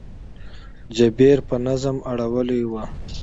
جبیر په نظم اړولې وه.